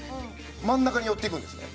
真ん中に寄っていくんですね。